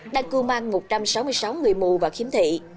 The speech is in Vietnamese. đang cưu mang một trăm sáu mươi sáu người mù và khiếm thị